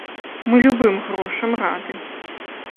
Мы любым грошам рады.